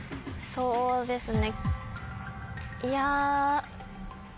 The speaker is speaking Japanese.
そうですね。